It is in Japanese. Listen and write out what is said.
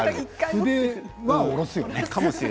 筆はおろすよね。